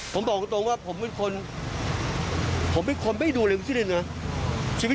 ผ่านอาจจะหนัดขาไม่ดูอะไรแล้ว